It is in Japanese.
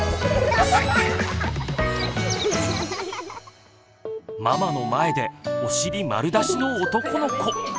ママの前でお尻丸出しの男の子！